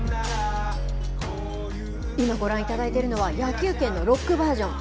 今ご覧いただいているのは、野球拳のロックバージョン。